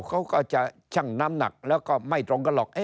เขาก็จะชั่งน้ำหนักแล้วก็ไม่ตรงกันหรอก